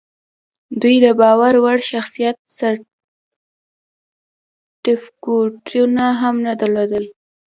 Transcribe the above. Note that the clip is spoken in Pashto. دوی د باور وړ شخصیت سرټیفیکټونه هم نه درلودل